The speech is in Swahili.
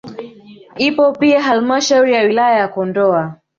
Ipo pia halmashauri ya wilaya ya Kondoa